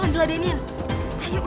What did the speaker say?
adekant dipena k kurt